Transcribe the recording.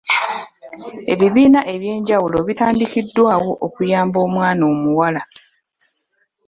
Ebibiina eby'enjawulo bitandikiddwawo okuyamba omwana omuwala.